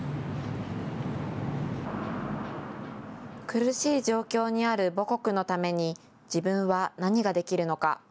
苦しい状況にある母国のために自分は何ができるのか。